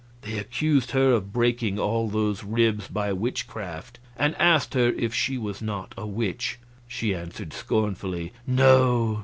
They accused her of breaking all those ribs by witchcraft, and asked her if she was not a witch? She answered scornfully: "No.